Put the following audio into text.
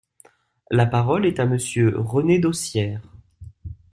La parole est à Monsieur René Dosière.